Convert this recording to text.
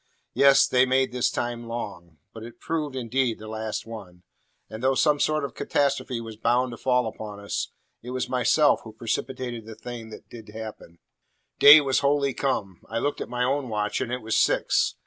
Yes, they made this time long. But it proved, indeed, the last one. And though some sort of catastrophe was bound to fall upon us, it was myself who precipitated the thing that did happen. Day was wholly come. I looked at my own watch, and it was six.